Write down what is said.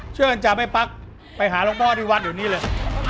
เชิญจับให้พักไปหาลูกพ่อที่วัดเดี๋ยวนี้เลย